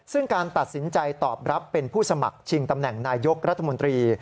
ซึ่งการตัดสินใจตอบรับเป็นผู้สมัครชิงตำแหน่งนายยกรัฐมนตรี